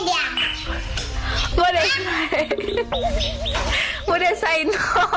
พูดได้ไหมพูดได้ใส่น้อง